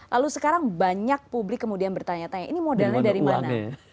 lalu sekarang banyak publik kemudian bertanya tanya ini modalnya dari mana